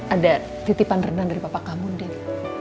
ada titipan renang dari papa kamu din